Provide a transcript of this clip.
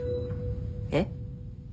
えっ？